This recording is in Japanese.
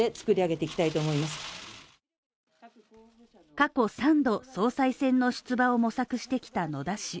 過去３度総裁選の出馬を模索してきた野田氏。